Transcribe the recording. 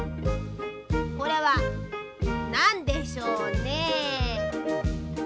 これはなんでしょうね。